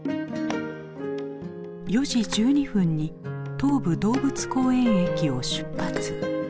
４時１２分に東武動物公園駅を出発。